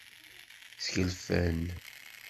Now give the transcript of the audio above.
Sgelfen.